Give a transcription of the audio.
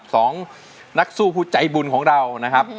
สองนักสู้ผู้ใจบุญของเรานะครับ